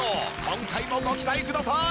今回もご期待ください！